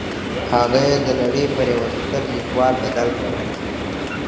هغه يې د نړۍ پر يوه ستر ليکوال بدل کړ.